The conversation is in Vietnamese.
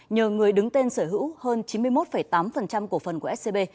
nhờ người đứng tên sở hữu hơn chín mươi một tám cổ phần của scb